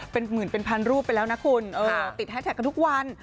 เป็นหมื่นเป็นพันรูปไปแล้วนะคุณติดแฮสแท็กกันทุกวัน